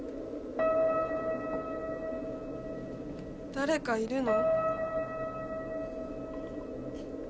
誰かいるの？